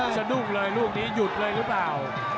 สะดุ้งเลยลูกนี้หยุดเลยหรือเปล่า